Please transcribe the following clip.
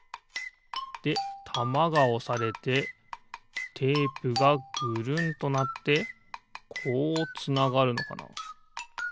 でたまがおされてテープがぐるんとなってこうつながるのかな？